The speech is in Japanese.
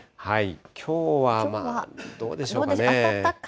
きょうはどうでしょうかね。